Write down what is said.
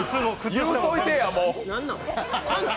言うといてや、もう。